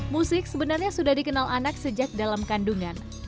musik sebenarnya sudah dikenal anak sejak dalam kandungan